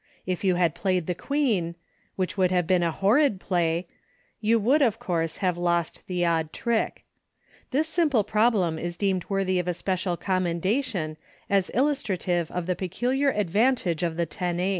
If you had played the Queen — which would have been a horrid play — you would, of course, have lost the odd trick. This simple problem is deemed worthy of especial commendation, as illustra tive of the peculiar advantage of the tenace.